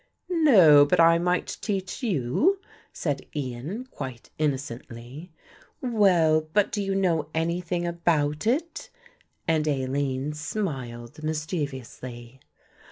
"No, but I might teach you," said Ian, quite innocently. "Well, but do you know anything about it?" and Aline smiled mischievously.